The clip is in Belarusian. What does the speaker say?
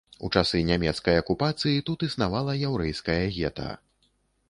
У часы нямецкай акупацыі тут існавала яўрэйскае гета.